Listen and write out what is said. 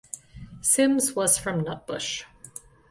Sims was from Nutbush.